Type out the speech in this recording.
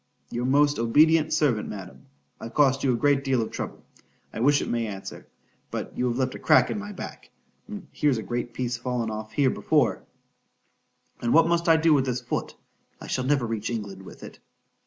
——Your most obedient servant, Madam—I've cost you a great deal of trouble,—I wish it may answer;—but you have left a crack in my back,—and here's a great piece fallen off here before,—and what must I do with this foot?——I shall never reach England with it.